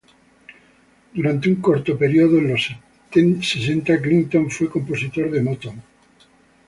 Durante un corto periodo en los sesenta, Clinton fue compositor de Motown.